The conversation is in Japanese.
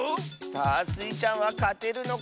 さあスイちゃんはかてるのか。